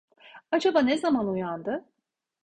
Acaba ne zaman uyandı?